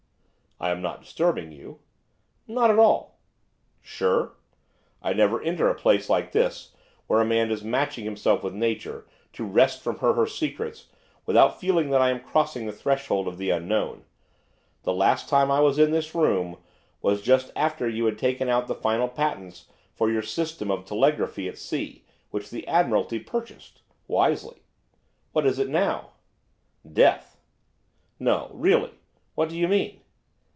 'I am not disturbing you?' 'Not at all.' 'Sure? I never enter a place like this, where a man is matching himself with nature, to wrest from her her secrets, without feeling that I am crossing the threshold of the unknown. The last time I was in this room was just after you had taken out the final patents for your System of Telegraphy at Sea, which the Admiralty purchased, wisely What is it, now?' 'Death.' 'No? really? what do you mean?